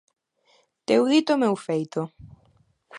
Teu dito, meu feito.